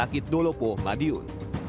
sakit dolopo madiun